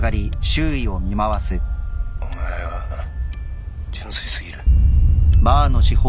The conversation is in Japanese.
お前は純粋すぎる。